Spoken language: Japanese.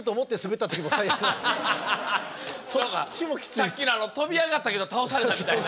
さっきの跳び上がったけど倒されたみたいな。